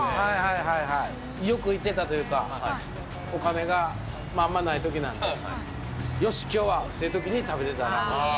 よく行ってたというか、お金があんまないときなんで、よしきょうはってときに食べてたラーメンです。